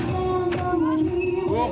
「うわっ！